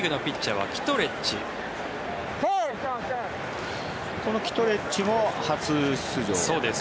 このキトレッジも初出場ですね。